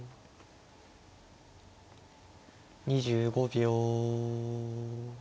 ２５秒。